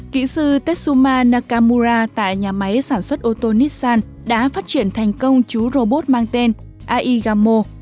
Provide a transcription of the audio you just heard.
kỹ sư tetsuma nakamura tại nhà máy sản xuất ô tô nissan đã phát triển thành công chú robot mang tên aigamo